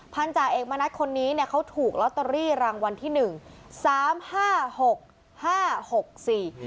จ่าเอกมณัฐคนนี้เนี่ยเขาถูกลอตเตอรี่รางวัลที่หนึ่งสามห้าหกห้าหกสี่